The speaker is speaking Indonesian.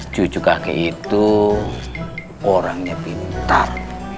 cucu kakek itu orangnya pintar